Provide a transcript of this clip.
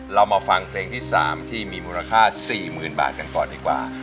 เรามาฟังเพลงที่๓ที่มีมูลค่า๔๐๐๐บาทกันก่อนดีกว่า